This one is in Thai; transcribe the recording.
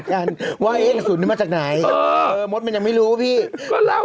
กันว่าเอ๊ะกระสุนมันมาจากไหนเออมดมันยังไม่รู้พี่ก็เล่า